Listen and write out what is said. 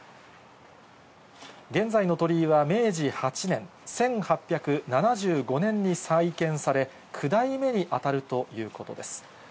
現在の鳥居は明治８年、１８７５年に再建され、９代目に当たるということです。